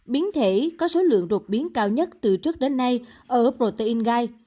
biến thể có số lượng đột biến cao nhất từ trước đến nay ở aprotein gai